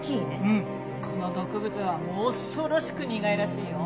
この毒物は恐ろしく苦いらしいよ。